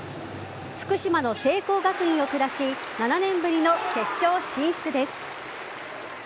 福島の聖光学院を下し７年ぶりの決勝進出です。